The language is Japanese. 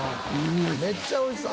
めっちゃ美味しそう。